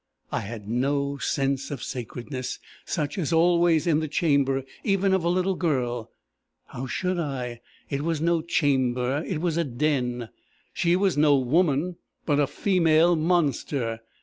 I had no sense of sacredness, such as always in the chamber even of a little girl. How should I? It was no chamber; it was a den. She was no woman, but a female monster.